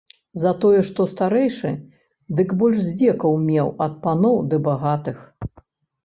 Затое што старэйшы, дык больш здзекаў меў ад паноў ды багатых.